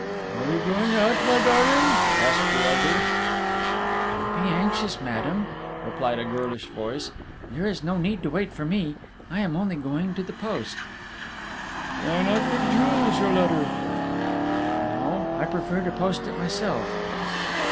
"Are you going out, my darling?" asked the elder. "Don't be anxious, madame," replied a girlish voice. "There is no need to wait for me. I am only going to the post...." "Why not give Jules your letter?" "No, I prefer to post it myself."